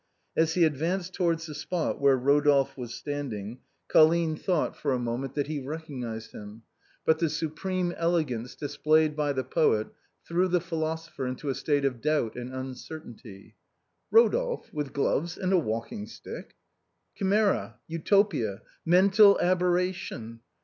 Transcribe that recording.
As he advanced towards the spot where Eodolphe was standing. Colline thought for a 293 294 THE BOHEMIANS OF THE LATIN QUARTER. moment that he recognized him, but tlie supreme elegance displayed by the poet threw the philosopher into a state of doubt and uncertaint}''. "Eodolphe with gloves and a walking stick. Chimera! Utopia ! mental aberration